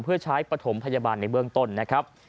เพื่อใช้ปฐมพยาบาลในเบื้องต้นนะครับ